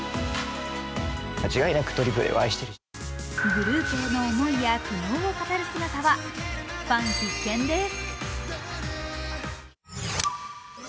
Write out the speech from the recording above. グループへの思いや苦悩を語る姿はファン必見です。